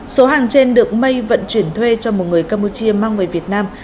số hàng trên được mây vận chuyển thuê cho một người campuchia mang về việt nam